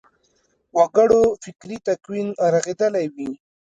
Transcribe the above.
وګړو فکري تکوین رغېدلی وي.